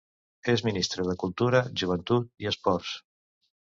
És Ministra de Cultura, Joventut i Esports.